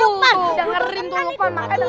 udah ngerin tuh lupan aku